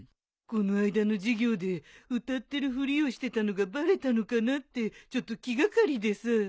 この間の授業で歌ってるふりをしてたのがバレたのかなってちょっと気がかりでさ。